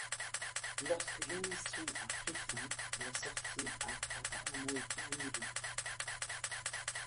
Lorsque l'émission a pris fin, la sortie a apparemment été annulée.